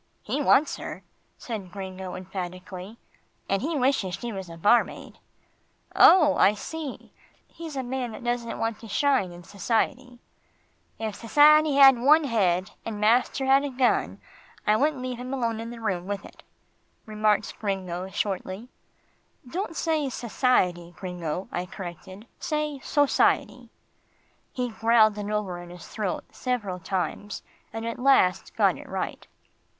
"He wants her," said Gringo emphatically, "and he wishes she was a barmaid." "Oh! I see he's a man that doesn't want to shine in society." "If sassiety had one head, and master had a gun, I wouldn't leave him alone in the room with it," remarked Gringo shortly. "Don't say 'sassiety,' Gringo," I corrected. "Say 'society.'" He growled it over in his throat several times, and at last got it right.